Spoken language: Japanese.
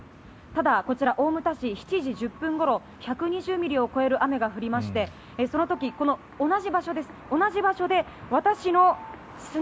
ただ、こちら大牟田市７時１０分ごろ１２０ミリを超える雨が降りましてその時、この同じ場所です。